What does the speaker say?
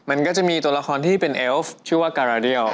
มันก็จะมีตัวละครที่เป็นเอฟชื่อว่าการาเรียล